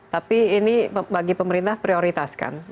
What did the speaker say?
tapi ini bagi pemerintah prioritas kan